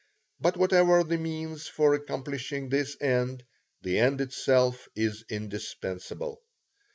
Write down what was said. But, whatever the means for accomplishing this end, the end itself is indispensable.